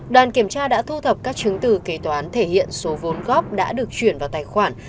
đoàn kiểm tra đã thu thập các chứng từ kế toán thể hiện số vốn góp đã được chuyển vào tài khoản